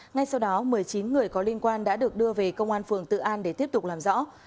ngay sau đó một mươi chín người có liên quan đã được đưa về công an phường tự an để tiếp tục làm rõ